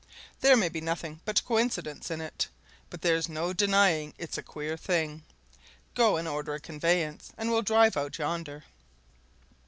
There may be nothing but coincidence in it but there's no denying it's a queer thing. Go and order a conveyance, and we'll drive out yonder."